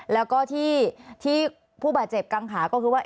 แล้วก็ที่ผู้บาดเจ็บกังขาก็คือว่า